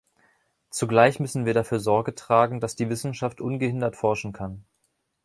Zugleich müssen wir dafür Sorge tragen, dass die Wissenschaft ungehindert forschen kann.